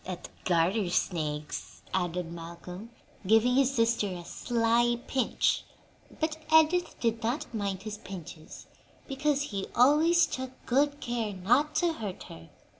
"At garter snakes," added Malcolm, giving his sister a sly pinch; but Edith did not mind his pinches, because he always took good care not to hurt her.